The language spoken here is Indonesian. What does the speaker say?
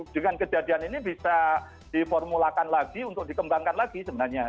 dengan kejadian ini bisa diformulakan lagi untuk dikembangkan lagi sebenarnya